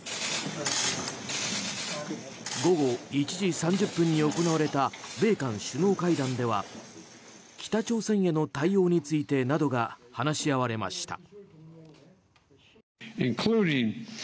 午後１時３０分に行われた米韓首脳会談では北朝鮮への対応についてなどが話し合われました。